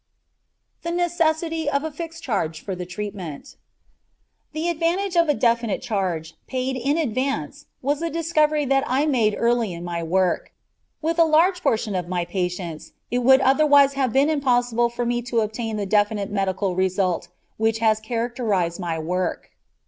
THE NECESSITY OF A FIXED CHARGE FOR TREATMENT The advantage of a definite charge, paid in advance, was a discovery that I made early in my work. With a large proportion of my patients it would otherwise have been impossible for me to obtain the definite medical result which has characterized my work.